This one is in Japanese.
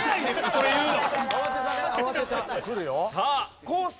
それ言うの。